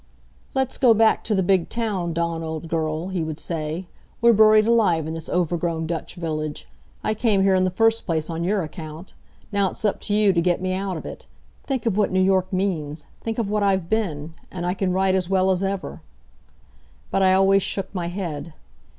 "Let's go back to the big town, Dawn, old girl," he would say. "We're buried alive in this overgrown Dutch village. I came here in the first place on your account. Now it's up to you to get me out of it. Think of what New York means! Think of what I've been! And I can write as well as ever." But I always shook my head.